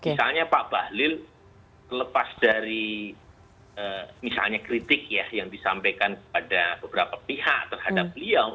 misalnya pak bahlil lepas dari misalnya kritik ya yang disampaikan kepada beberapa pihak terhadap beliau